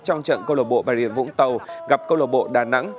trong trận câu lọc bộ bà rịa vũng tàu gặp câu lọc bộ đà nẵng